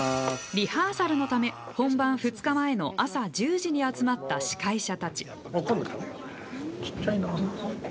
リハーサルのため本番２日前の朝１０時に集まった司会者たち。